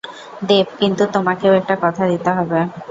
দেব, কিন্তু তোমাকেও একটা কথা দিতে হবে।